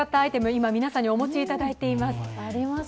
今、皆さんにお持ちいただいています。